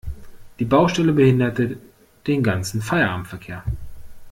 Die Baustelle behinderte den ganzen Feierabendverkehr.